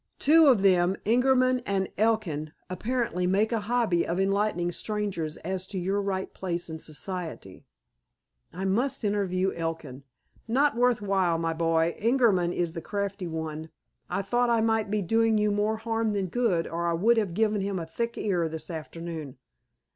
Two of them, Ingerman and Elkin, apparently make a hobby of enlightening strangers as to your right place in society." "I must interview Elkin." "Not worth while, my boy. Ingerman is the crafty one. I thought I might be doing you more harm than good, or I would have given him a thick ear this afternoon